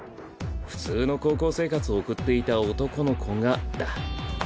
普通の高校生活を送っていた男の子がだ。